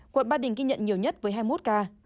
quận ba đình ghi nhận nhiều nhất với hai mươi một ca